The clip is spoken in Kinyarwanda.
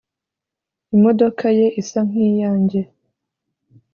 imodoka ye isa nkiyanjye